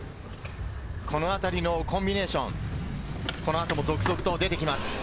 このあたりのコンビネーション、この後も続々と出てきます。